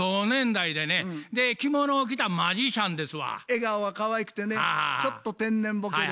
笑顔がかわいくてねちょっと天然ボケで。